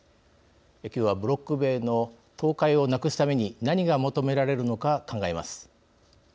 今日はブロック塀の倒壊をなくすために何が求められるのか、考えます。